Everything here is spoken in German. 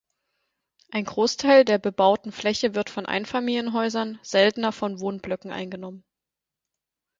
Ein Großteil der bebauten Fläche wird von Einfamilienhäusern, seltener von Wohnblöcken eingenommen.